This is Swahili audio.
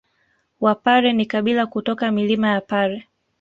Wapare ni kabila kutoka milima ya Pare